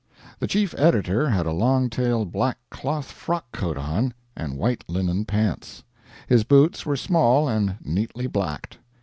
The chief editor had a long tailed black cloth frock coat on, and white linen pants. His boots were small and neatly blacked.